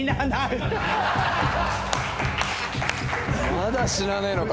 まだ死なねえのか。